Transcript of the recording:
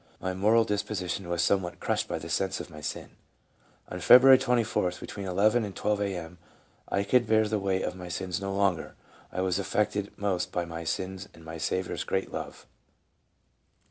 ... My moral disposition was somewhat crushed by the sense of my sin. ... On Feb. 24th between 11 and 12 A. m., I could bear the weight of my sins no longer I was affected most by my sins and my Saviour's great love."